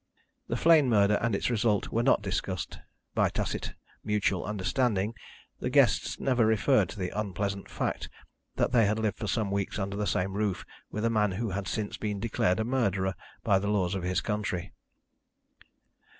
The Flegne murder and its result were not discussed; by tacit mutual understanding the guests never referred to the unpleasant fact that they had lived for some weeks under the same roof with a man who had since been declared a murderer by the laws of his country.